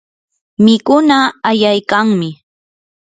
mikunaa ayaykanmi.